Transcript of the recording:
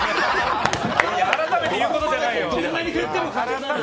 改めて言うことじゃない。